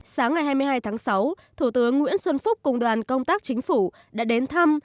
sáng ngày hai mươi hai tháng sáu thủ tướng nguyễn xuân phúc cùng đoàn công tác chính phủ đã đến thăm